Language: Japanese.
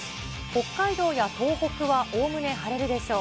北海道や東北はおおむね晴れるでしょう。